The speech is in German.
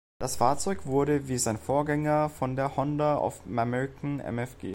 Das Fahrzeug wurde, wie sein Vorgänger, von der Honda of America Mfg.